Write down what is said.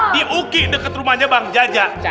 di uk deket rumahnya bang jaja